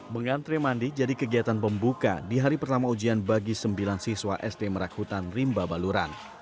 mengantre mandi jadi kegiatan pembuka di hari pertama ujian bagi sembilan siswa sd merak hutan rimba baluran